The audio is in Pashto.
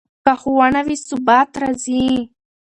که ښوونه وي، ثبات راځي.